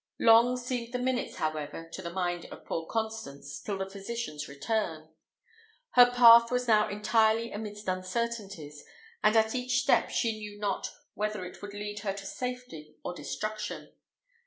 Long seemed the minutes, however, to the mind of poor Constance till the physician's return. Her path was now entirely amidst uncertainties, and at each step she knew not whether it would lead her to safety or destruction.